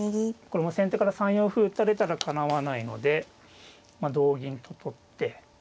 これも先手から３四歩打たれたらかなわないのでまあ同銀と取って。